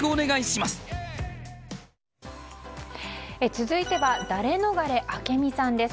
続いてはダレノガレ明美さんです。